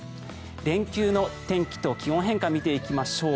連休の天気と気温変化を見ていきましょう。